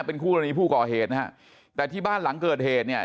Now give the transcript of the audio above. เป็นคู่กรณีผู้ก่อเหตุนะฮะแต่ที่บ้านหลังเกิดเหตุเนี่ย